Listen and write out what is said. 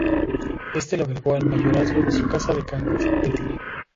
Este lo agregó al mayorazgo de su casa de Cangas de Tineo.